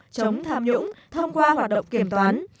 chống tham nhũng thông qua hoạt động kiểm toán